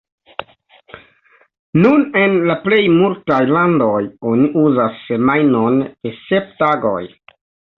Nun en la plej multaj landoj oni uzas semajnon de sep tagoj.